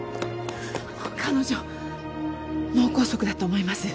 彼女脳梗塞だと思います。